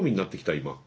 今。